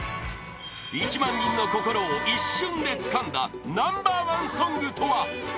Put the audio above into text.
１万人の心を一瞬でつかんだナンバー１ソングとは？